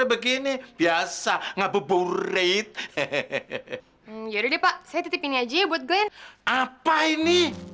begini biasa ngabur buret hehehe ya udah pak saya titipin aja buat glenn apa ini